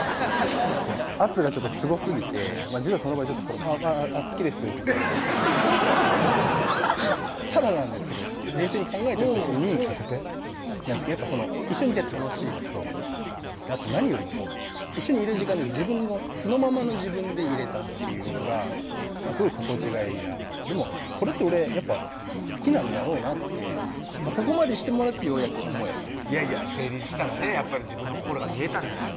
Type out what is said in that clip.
圧がちょっとすごすぎて実はその場で「あっ好きです」みたいなただなんですけど冷静に考えた時に聞かせて一緒にいて楽しいのとあと何よりも一緒にいる時間で素のままの自分でいれたっていうのがすごい心地がいいなとこれって俺やっぱ好きなんだろうなってそこまでしてもらってようやく思えたいやいや整理したらねやっぱり自分の心が見えたんですよ